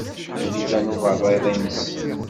Ad d-iban uberriḍ-ines.